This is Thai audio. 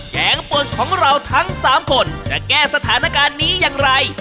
แกงปวดของเราทั้ง๓คนจะแก้สถานการณ์นี้อย่างไร